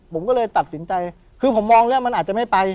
ผมก็เลยตัดสินใจคือผมมองแล้วมันอาจจะไม่ไป